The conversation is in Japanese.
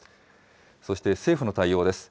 そして、政府の対応です。